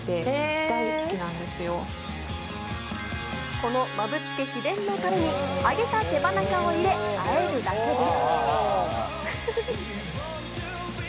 この馬淵家秘伝のタレに揚げた手羽中を入れ、和えるだけです。